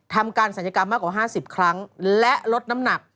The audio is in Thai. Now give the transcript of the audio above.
ทำการศัลยกรรมมากกว่า๕๐ครั้งและลดน้ำหนัก